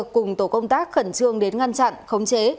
cùng tổ công tác khẩn trương đến ngăn chặn khống chế